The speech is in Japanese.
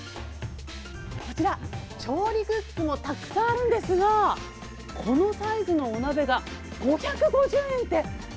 こちら、調理グッズもたくさんあるんですが、このサイズのお鍋が５５０円って。